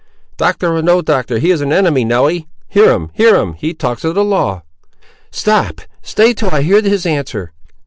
"Doctor or no Doctor; he is an enemy, Nelly; hear him! hear him! he talks of the law." "Stop! stay till I hear his answer!"